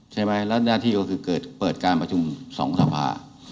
ใช่ไหมแล้วหน้าที่ก็คือเกิดเปิดการประชุมสองสภา